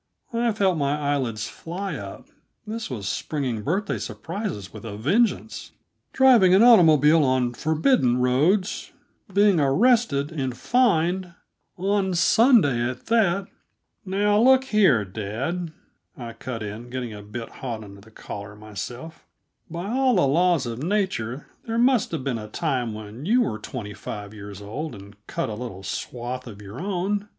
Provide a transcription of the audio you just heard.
I felt my eyelids fly up; this was springing birthday surprises with a vengeance. "Driving an automobile on forbidden roads, being arrested and fined on Sunday, at that " "Now, look here, dad," I cut in, getting a bit hot under the collar myself, "by all the laws of nature, there must have been a time when you were twenty five years old and cut a little swath of your own.